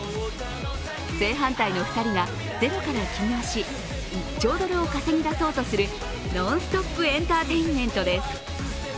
正反対の２人がゼロから起業し１兆ドルを稼ぎ出そうとするノンストップエンターテインメントです。